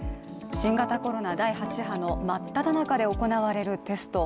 新型コロナ第８波の真っただ中で行われるテスト。